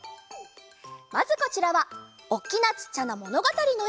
まずこちらは「おっきなちっちゃな物語」のえ。